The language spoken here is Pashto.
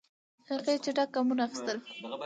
هغې چټک ګامونه اخیستل.